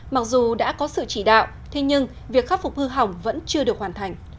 mặc dù đã có sự chỉ đạo thế nhưng việc khắc phục hư hỏng vẫn chưa được hoàn thành